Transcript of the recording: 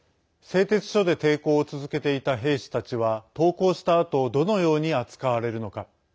製鉄所で抵抗を続けていた兵士たちは投降したあとどのように扱われるのか。